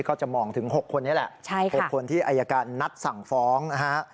ก็จะมองถึง๖คนนี้แหละ๖คนที่อายการนัดสั่งฟ้องนะฮะ